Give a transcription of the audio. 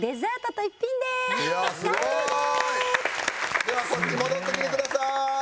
ではこっちに戻ってきてください。